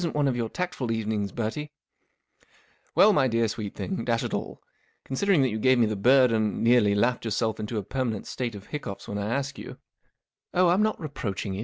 This isn't one of your tactful evenings, Bertie/' " Well, mv dear sweet thing, dash it all* considering that you gave me the bird and nearly laughed yourself into a permanent state of hiccoughs when I asked you "" Oh, I'm nWt/ reproaching you.